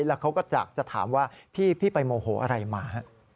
แล้วเขาก็อยากจะถามว่าพี่ไปโมโหอะไรมา